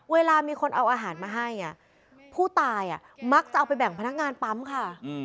เวลามีคนเอาอาหารมาให้ผู้ตายมักจะเอาไปแบ่งพนักงานปั๊มค่ะ